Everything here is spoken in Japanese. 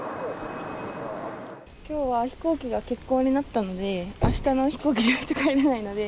きょうは飛行機が欠航になったので、あしたの飛行機じゃないと帰れないので。